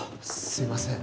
すいません